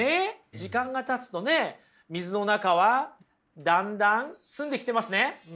時間がたつとね水の中はだんだん澄んできてますね。